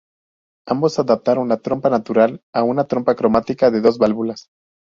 Ambos adaptaron la trompa natural a una trompa cromática de dos válvulas.